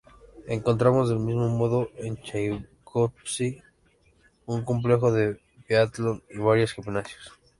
Encontramos del mismo modo en Chaikovski un complejo de biatlón y varios gimnasios.